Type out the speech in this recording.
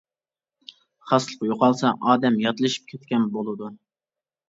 خاسلىق يوقالسا ئادەم ياتلىشىپ كەتكەن بولىدۇ.